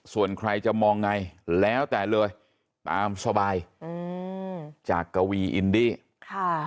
ส่วนใครจะมองไงแล้วแต่เลยตามสบายอืมจากกวีอินดี้ค่ะ